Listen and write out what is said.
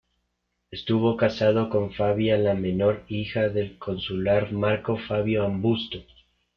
Estuvo casado con Fabia la Menor, hija del consular Marco Fabio Ambusto.